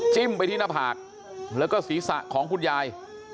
ไปที่หน้าผากแล้วก็ศีรษะของคุณยาย